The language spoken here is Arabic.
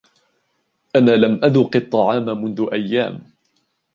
أنا لم أذُقِ الطعامَ منذُ أيامٍ.